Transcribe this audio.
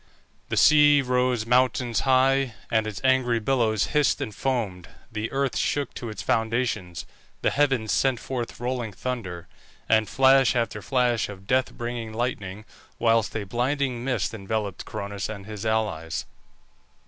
The sea rose mountains high, and its angry billows hissed and foamed; the earth shook to its foundations, the heavens sent forth rolling thunder, and flash after flash of death bringing lightning, whilst a blinding mist enveloped Cronus and his allies.